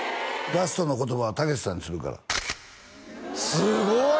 ラストの言葉はたけしさんにするからすごい！